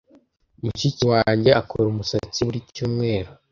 Mushiki wanjye akora umusatsi buri cyumweru.